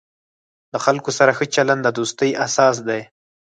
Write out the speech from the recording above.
د خلکو سره ښه چلند، د دوستۍ اساس دی.